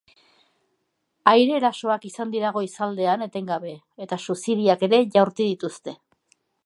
Aire-erasoak izan dira goizaldean etengabe, eta suziriak ere jaurti dituzte.